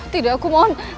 tidak aku mohon